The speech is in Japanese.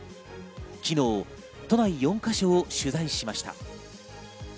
昨日、都内４か所を取材しました。